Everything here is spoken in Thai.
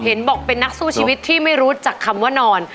เห็นบอกเป็นนักสู้ชีวิตที่ไม่รู้จักคำว่านอน